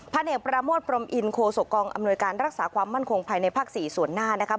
พระเอกประโลกรัมอินทร์โศกรองอำนวยการรักษาความมั่นคงพายในภาคศีลส่วนหน้านะครับ